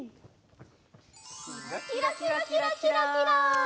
キラキラキラキラキラ。